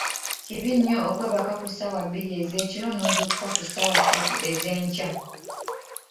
Kibi nnyo okweebaka ku ssaawa bbiri ez'ekiro n'ozuukuka ku ssatu ez'enkya.